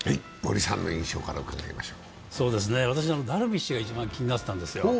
私、ダルビッシュが一番気になったんですよ。